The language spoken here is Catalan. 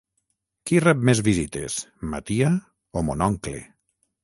Qui rep més visites, ma tia o mon oncle?